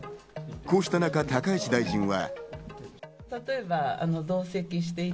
こうした中、高市大臣は。